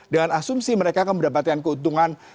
dengan asumsi mereka akan mendapatkan keuntungan